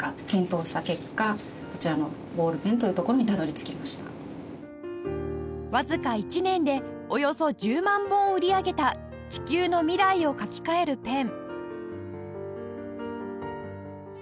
長岡さんのわずか１年でおよそ１０万本を売り上げた地球の未来を書き換えるペン